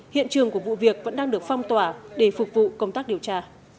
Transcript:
hiện trường của vụ việc vẫn đang được phong tỏa để phục vụ công tác điều tra